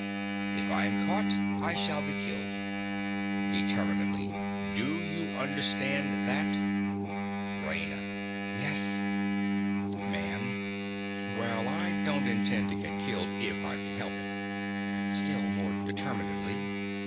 If I'm caught I shall be killed. (Determinedly.) Do you understand that? RAINA. Yes. MAN. Well, I don't intend to get killed if I can help it. (_Still more determinedly.